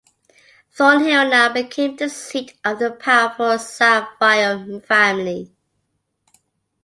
Thornhill now became the seat of the powerful Savile family.